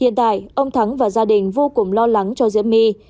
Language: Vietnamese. hiện tại ông thắng và gia đình vô cùng lo lắng cho diễm my